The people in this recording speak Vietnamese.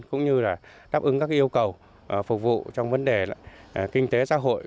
cũng như là đáp ứng các yêu cầu phục vụ trong vấn đề kinh tế xã hội